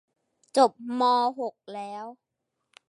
จบมอหกแล้ว